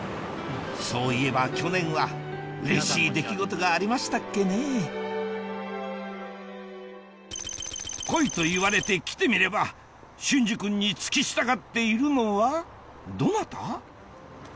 そういえば去年はうれしい出来事がありましたっけねぇ「来い」と言われて来てみれば隼司君に付き従っているのはどなた？